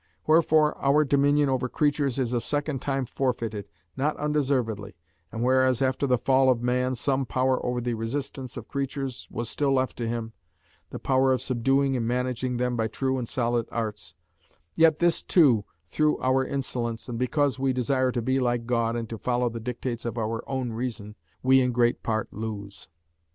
Wherefore our dominion over creatures is a second time forfeited, not undeservedly; and whereas after the fall of man some power over the resistance of creatures was still left to him the power of subduing and managing them by true and solid arts yet this too through our insolence, and because we desire to be like God and to follow the dictates of our own reason, we in great part lose.